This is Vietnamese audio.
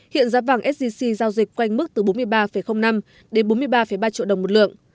hiện giá vàng sgc giao dịch quanh mức từ bốn mươi ba năm đến bốn mươi ba ba triệu đồng một lượng